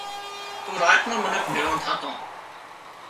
تو راچ نان منک ڀيۯان ٿاتان